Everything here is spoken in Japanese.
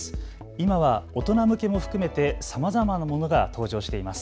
今は大人向けも含めてさまざまなものが登場しています。